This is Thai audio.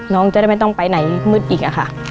น้องจะได้ไม่ต้องไปไหนมืดอีกอะค่ะ